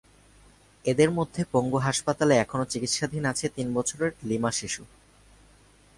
এদের মধ্যে পঙ্গু হাসপাতালে এখনো চিকিৎসাধীন আছে তিন বছরের লিমা শিশু।